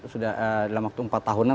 sudah dalam waktu empat tahunan